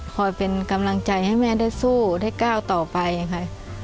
เป็นกำลังใจให้แม่ได้สู้ได้ก้าวต่อไปค่ะ